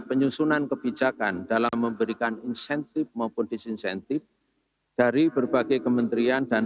penyusunan kebijakan dalam memberikan insentif maupun disinsentif dari berbagai kementerian dan